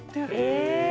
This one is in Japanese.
へえ。